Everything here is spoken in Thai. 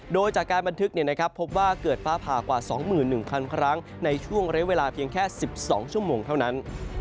โดยจากการบันทึกพบว่าเกิดฟ้าผ่ากว่า๒๑๐๐๐ครั้งในช่วงระยะเวลาเพียงแค่๑๒ชั่วโมงเท่านั้น